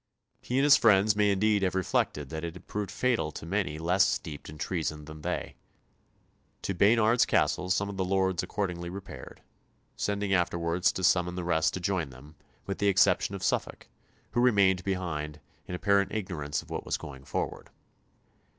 He and his friends may indeed have reflected that it had proved fatal to many less steeped in treason than they. To Baynard's Castle some of the lords accordingly repaired, sending afterwards to summon the rest to join them, with the exception of Suffolk, who remained behind, in apparent ignorance of what was going forward.